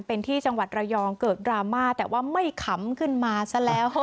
เป็นที่จังหวัดระยองเกิดดราม่าแต่ว่าไม่ขำขึ้นมาซะแล้ว